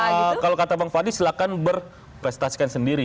nah iya artinya itu kan kalau kata bang fadi silahkan berprestasi kan sendiri